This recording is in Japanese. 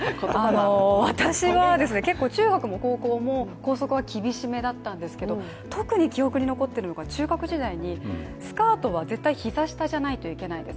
私は、結構中学も高校も校則は厳しめだったんですけど特に記憶に残っているのが中学時代にスカートは膝下じゃないといけないんです。